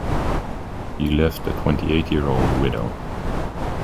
He left a twenty-eight-year-old widow.